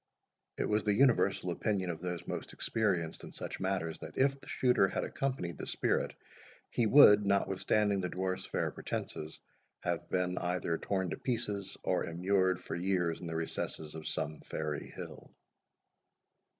It was the universal opinion of those most experienced in such matters, that if the shooter had accompanied the spirit, he would, notwithstanding the dwarf's fair pretences, have been either torn to pieces, or immured for years in the recesses of some fairy hill.